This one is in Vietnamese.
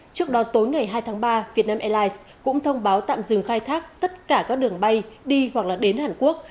trước đó tối ngày hai tháng ba vietnam airlines cũng thông báo tạm dừng khai thác tất cả các đường bay đi hoặc là đến hàn quốc